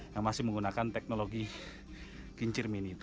yang masih menggunakan teknologi kincir mini itu